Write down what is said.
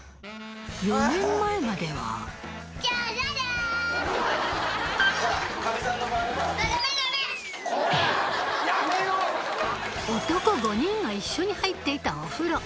４年前までは男５人が一緒に入っていたお風呂